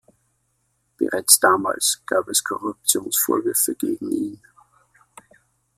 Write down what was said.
Bereits damals gab es Korruptionsvorwürfe gegen ihn.